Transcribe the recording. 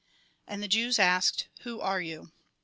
And the Jews asked :" Who are you